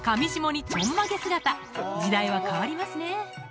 裃にちょんまげ姿時代は変わりますね